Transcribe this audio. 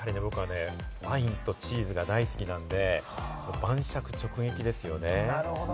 僕はね、ワインとチーズが大好きなんで、晩酌、直撃ですよね。